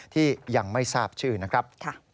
ที่ยังไม่ทราบชื่อนะครับ